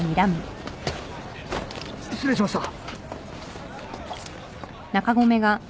失礼しました。